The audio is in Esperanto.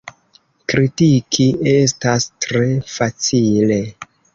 Kritiki estas tre facile.